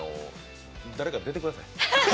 誰か出てください。